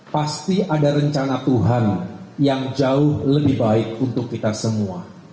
pasti ada rencana tuhan yang jauh lebih baik untuk kita semua